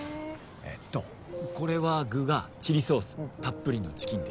えっとこれは具がチリソースたっぷりのチキンで。